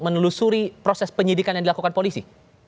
menelusuri proses penyidikan yang dilakukan polisi